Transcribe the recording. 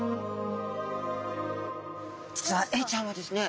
実はエイちゃんはですね